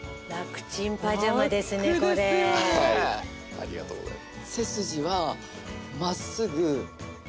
ありがとうございます。